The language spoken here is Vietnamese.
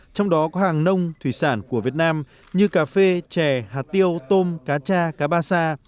trong đó có hàng nông thủy sản của việt nam như cà phê chè hạt tiêu tôm cá cha cá ba sa